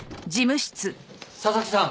佐々木さん！